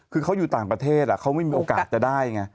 คือเขาอยู่ต่างประเทศเขาไม่มีโอกาสจะได้ไง